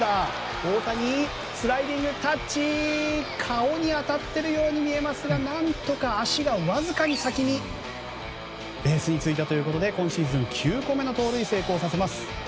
大谷スライディングタッチが顔に当たっているように見えますが何とか足がわずかに先にベースについたということで今シーズン９個目の盗塁成功させます。